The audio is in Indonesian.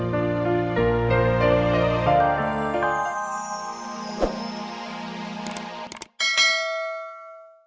duduk sini dek